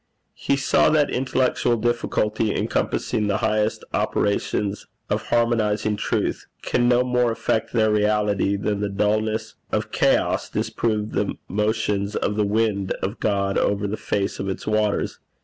He saw that intellectual difficulty encompassing the highest operations of harmonizing truth, can no more affect their reality than the dulness of chaos disprove the motions of the wind of God over the face of its waters.